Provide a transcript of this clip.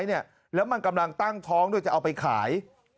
มีเมียที่เขาเลี้ยงไว้เนี่ยแล้วมันกำลังตั้งท้องด้วยจะเอาไปขาย